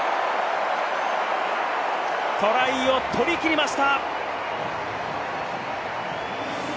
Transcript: トライを取り切りました！